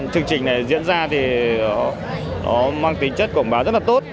chương trình này diễn ra thì nó mang tính chất quảng bá rất là tốt